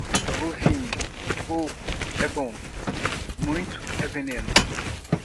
O vinho, pouco é bom, muito é veneno.